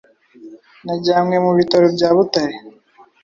Najyanywe mu bitaro bya Butare